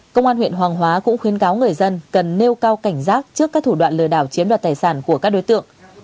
công an huyện hoàng hóa cũng khuyên cáo người dân cần nêu cao cảnh giác trước các thủ đoạn lừa đảo chiếm đoạt tài sản của các đối tượng